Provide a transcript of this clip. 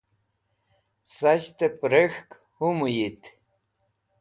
sasht'ep rek̃hk humuyit